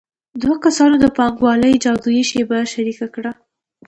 دوه کسانو د پانګوالۍ جادويي شیبه شریکه کړه